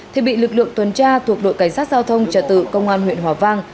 thì bị lực lượng tuần tra thuộc đội cảnh sát giao thông trả tự công an huyện hòa vang